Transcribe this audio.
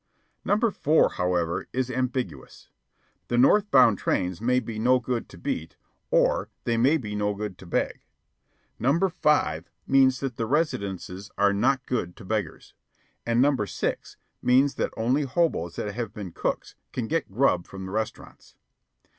Number four, however, is ambiguous. The north bound trains may be no good to beat, and they may be no good to beg. Number five means that the residences are not good to beggars, and number six means that only hoboes that have been cooks can get grub from the restaurants.